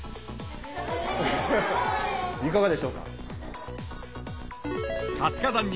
いかがでしょうか？